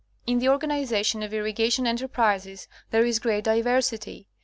In the organization of irrigation enterprises there is great diversity.